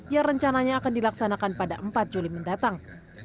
yang rencananya akan dilaksanakan pada empat juli mendatang